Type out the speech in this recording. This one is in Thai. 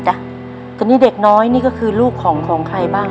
สวัสดีครับนี่จนน้อยก็คือลูกของใครบ้าง